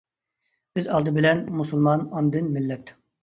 بىز ئالدى بىلەن مۇسۇلمان ئاندىن مىللەت.